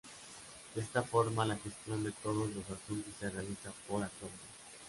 De esta forma la gestión de todos los asuntos se realiza por acuerdo.